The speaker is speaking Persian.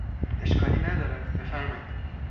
اشکالی ندارد، بفرمایید!